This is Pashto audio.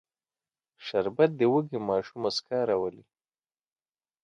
شربت د وږي ماشوم موسکا راولي